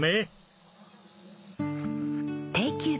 定休日。